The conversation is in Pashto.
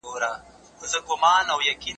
د فرضيو د آزموينې لپاره روښانه لار وټاکل سوه.